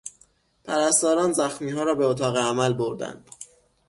پرستاران زخمیها را به اتاق عمل بردند.